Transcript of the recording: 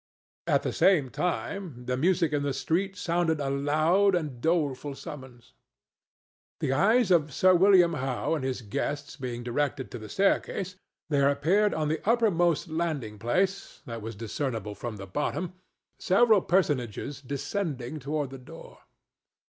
At the same time, the music in the street sounded a loud and doleful summons. The eyes of Sir William Howe and his guests being directed to the staircase, there appeared on the uppermost landing place, that was discernible from the bottom, several personages descending toward the door.